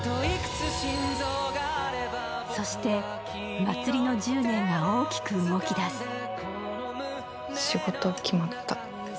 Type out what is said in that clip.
そして、茉莉の１０年が大きく動き出す。